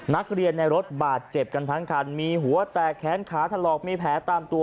นักเรียนในรถบาดเจ็บกันทั้งคันมีหัวแตกแขนขาถลอกมีแผลตามตัว